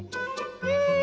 うん！